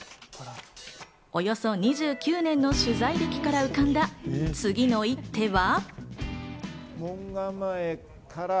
およそ２９年の取材歴から浮かんだ次の一手は。